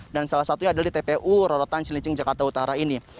dan salah satunya adalah di tpu rorotan cilincing jakarta utara ini